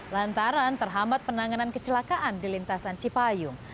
lantaran terhambat penanganan kecelakaan di lintasan cipayung